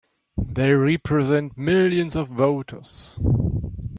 They represent millions of voters!